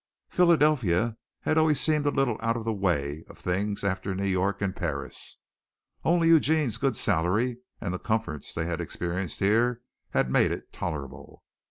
Philadelphia had always seemed a little out of the way of things after New York and Paris. Only Eugene's good salary and the comforts they had experienced here had made it tolerable.